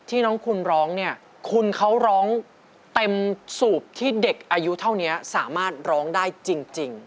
ที่น้องคุณร้องเนี่ยคุณเขาร้องเต็มสูตรที่เด็กอายุเท่านี้สามารถร้องได้จริง